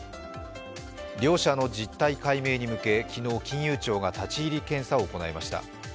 両社の実態解明に向け、昨日、金融庁が立ち入り検査に入りました。